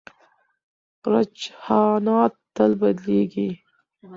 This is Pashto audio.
رجحانات تل بدلېږي.